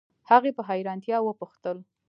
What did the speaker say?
هغې په حیرانتیا وپوښتل